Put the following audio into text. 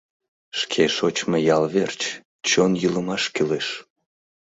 — Шке шочмо ял верч чон йӱлымаш кӱлеш.